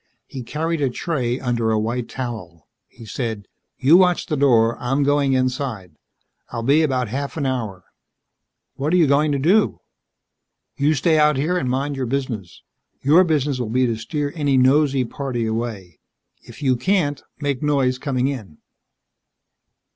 He carried a tray under a white towel. He said, "You watch the door. I'm going inside. I'll be about a half an hour." "What are you going to do?" "You stay out here and mind your business. Your business will be to steer any nosey party away. If you can't, make noise coming in."